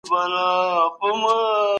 که صادرات زیات سي نو د هیواد عاید به لوړ سي.